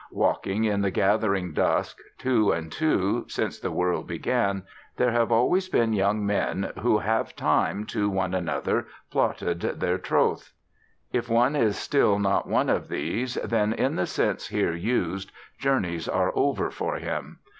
Walking in the gathering dusk, two and two, since the world began, there have always been young men who have time to one another plighted their troth. If one is not still one of these, then, in the sense here used, journeys are over for him.